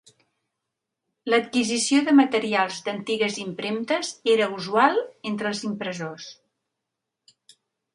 L'adquisició de materials d'antigues impremtes era usual entre els impressors.